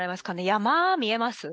山見えます？